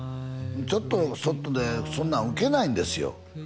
ちょっとやそっとでそんなん受けないんですよ